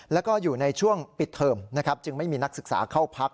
แล้วก็อยู่ในช่วงปิดเทอมนะครับจึงไม่มีนักศึกษาเข้าพัก